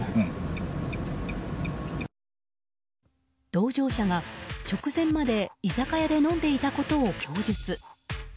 同乗者が直前まで居酒屋で飲んでいたことを供述。